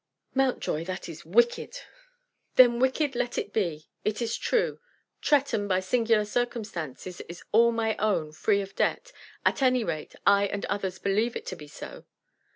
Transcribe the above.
"Mountjoy, that is wicked!" "Then wicked let it be. It is true. Tretton, by singular circumstances, is all my own, free of debt. At any rate, I and others believe it to be so."